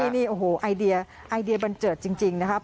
นี่โอ้โหไอเดียไอเดียบันเจิดจริงนะครับ